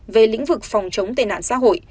về lĩnh vực phòng chống tên nạn xã hội